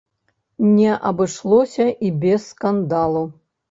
Не абышлося і без скандалу.